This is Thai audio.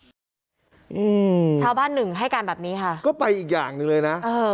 อืมชาวบ้านหนึ่งให้การแบบนี้ค่ะก็ไปอีกอย่างหนึ่งเลยนะเออ